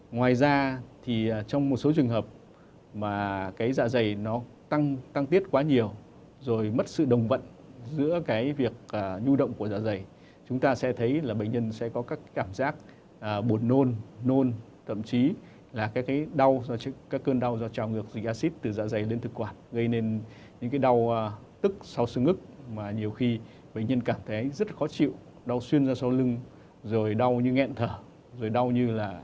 ngoài ra trong một số trường hợp mà dạ dày nó tăng tiết quá nhiều rồi mất sự đồng vận giữa việc nhu động của dạ dày chúng ta sẽ thấy là bệnh nhân sẽ có các cảm giác buồn nôn nôn thậm chí là các cơn đau do trào ngược dịch acid từ dạ dày lên thực quản gây nên những đau tức sau sương ức mà nhiều khi bệnh nhân cảm thấy rất khó chịu đau xuyên ra sau lưng rồi đau như nghẹn thở rồi đau như là